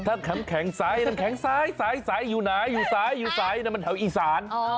ถ้าแข็งใสน้ำแข็งใสอยู่ไหนอยู่ใสมันแถวอีสาน